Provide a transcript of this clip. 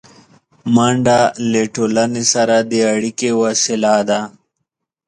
منډه له ټولنې سره د اړیکې وسیله ده